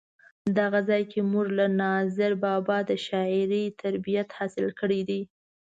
دغه ځای کې مونږ له ناظر بابا د شاعرۍ تربیت حاصل کړی دی.